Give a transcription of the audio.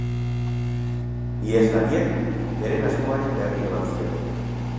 Iheslariek beren asmoaren berri eman zieten.